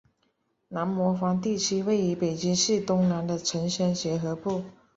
南磨房地区位于北京市东南的城乡结合部。